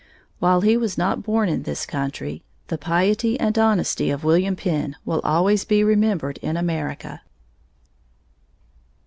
While he was not born in this country, the piety and honesty of William Penn will always be remembered in America.